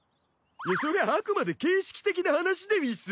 それはあくまで形式的な話でうぃす。